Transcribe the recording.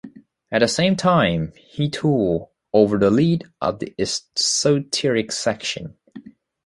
At the same time he tool over the lead of the esoteric section.